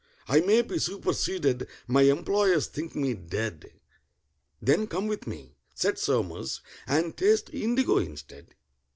I may be superseded—my employers think me dead!" "Then come with me," said SOMERS, "and taste indigo instead."